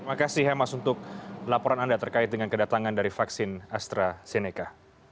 terima kasih hemas untuk laporan anda terkait dengan kedatangan dari vaksin astrazeneca